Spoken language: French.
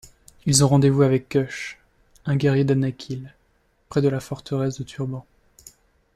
Ils ont rendez-vous avec Cush, un guerrier danakil, près de la forteresse de Turban.